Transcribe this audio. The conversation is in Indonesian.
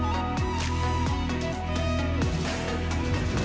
aku berjanji padamu